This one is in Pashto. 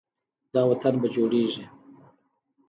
دا وطن به جوړیږي.